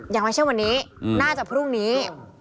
ยังไม่ใช่วันนี้น่าจะพรุ่งนี้